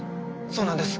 そうなんです。